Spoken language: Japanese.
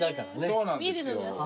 そうなんですよ。